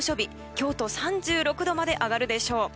京都３６度まで上がるでしょう。